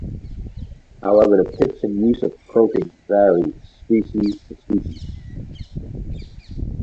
However the pitch and use of croaking varies species to species.